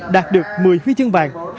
đạt được một mươi huy chương vàng